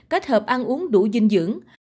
kết hợp ăn uống đủ dinh dưỡng